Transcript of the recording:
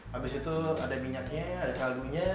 habis itu ada minyaknya ada kaldunya